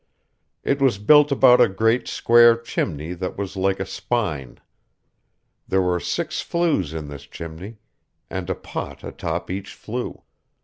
It was built about a great, square chimney that was like a spine. There were six flues in this chimney, and a pot atop each flue.